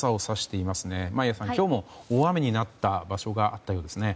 今日も大雨になった場所があったようですね。